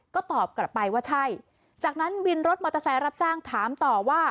ก็ตอบกลับไปว่าใช่จากนั้นวินรถมอเตอร์ไซค์รับจ้างถามต่อว่า